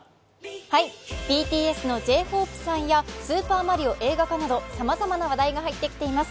ＢＴＳのＪ−ＨＯＰＥさんや「スーパーマリオ」映画化などさまざまな話題が入ってきています。